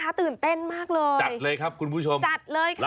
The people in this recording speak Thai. น้ำตาตกโคให้มีโชคเมียรสิเราเคยคบกันเหอะน้ำตาตกโคให้มีโชค